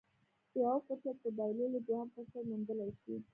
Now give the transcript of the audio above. د يوه فرصت په بايللو دوهم فرصت موندلی شي.